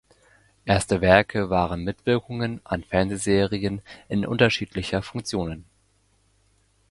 Erste Werke waren Mitwirkungen an Fernsehserien in unterschiedlicher Funktionen.